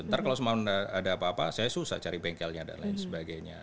ntar kalau ada apa apa saya susah cari bengkelnya dan lain sebagainya